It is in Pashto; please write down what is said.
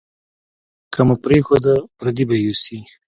که مو پرېښوده، پردي به یې یوسي.